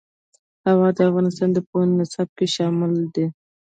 هوا د افغانستان د پوهنې نصاب کې شامل دي.